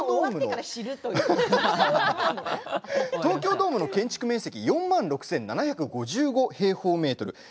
東京ドーム建築面積は４万６７５５平方メートル